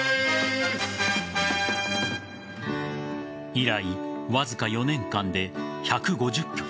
以来わずか４年間で１５０曲